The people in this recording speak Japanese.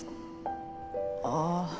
ああ。